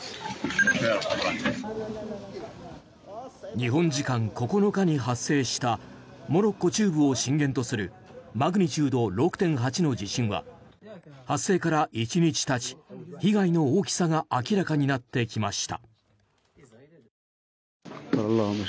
日本時間９日に発生したモロッコ中部を震源とするマグニチュード６．８の地震は発生から１日たち被害の大きさが明らかになってきました。